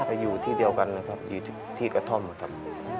ก็อยู่ที่เดียวกันนะครับอยู่ที่กระท่อมครับ